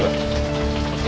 kamu mau gak